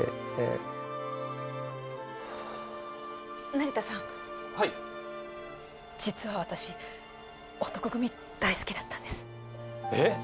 成田さんはい実は私男闘呼組大好きだったんですえっ